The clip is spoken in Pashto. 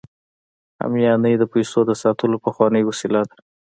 همیانۍ د پیسو د ساتلو پخوانۍ وسیله ده